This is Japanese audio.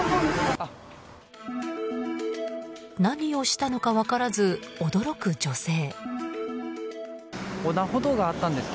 何をしたのか分からず驚く女性。